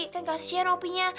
kan kasihan opinya